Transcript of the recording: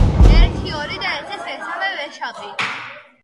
ერთი, ორი და ესეც მესამე ვეშაპი.